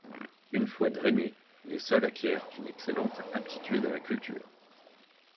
Une fois drainés, les sols acquièrent une excellente aptitude à la culture.